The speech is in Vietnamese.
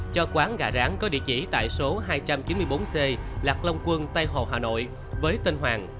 cho quán gà ráng có địa chỉ tại số hai trăm chín mươi bốn c lạc long quân tây hồ hà nội với tên hoàng